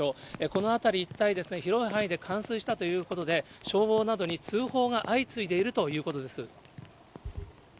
この辺り一帯、広い範囲で冠水したということで、消防などに通報が相次いでいるということです。